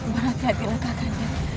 berhati hatilah kak kanda